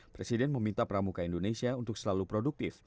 presiden meminta pramuka indonesia untuk selalu produktif